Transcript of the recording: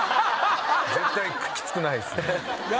絶対きつくないです。